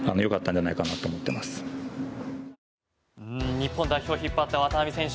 日本代表を引っ張った渡辺選手。